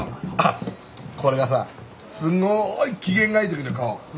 あっこれがさすごい機嫌がいいときの顔。